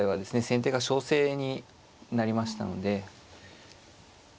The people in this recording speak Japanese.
先手が勝勢になりましたので。